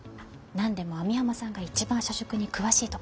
何でも網浜さんが一番社食に詳しいとかで。